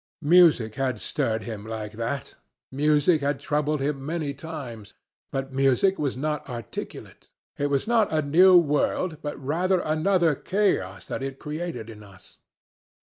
Music had stirred him like that. Music had troubled him many times. But music was not articulate. It was not a new world, but rather another chaos, that it created in us.